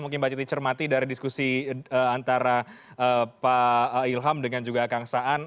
mungkin mbak citi cermati dari diskusi antara pak ilham dengan juga kang saan